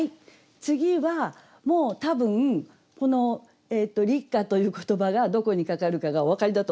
次はもう多分「立夏」という言葉がどこにかかるかがお分かりだと思うんです。